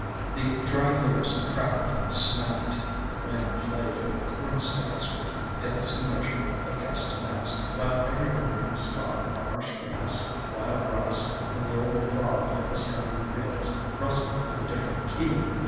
The dry leaves crackled and snapped, the wind played over the corn stacks with the dancing measure of castanets, while every remaining stalk of Marsh Grass, Wild Rice, and the Old Fog of the sandy fields rustled in a different key.